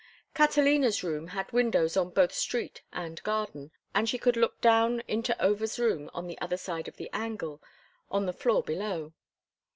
Catalina's room had windows on both street and garden, and she could look down into Over's room in the other side of the angle, on the floor below.